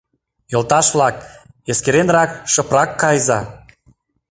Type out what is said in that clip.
Йолташ-влак, эскеренрак, шыпрак кайыза.